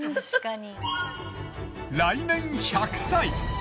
来年１００歳。